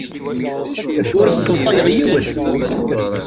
Ur sseḍsayeɣ yiwen.